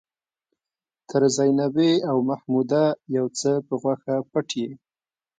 تر زينبې او محموده يو څه په غوښه پټ يې.